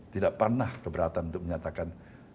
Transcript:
tidak pernah keberatan untuk menyatakan